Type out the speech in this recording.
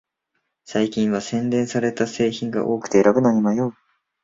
最近は洗練された製品が多くて選ぶのに迷う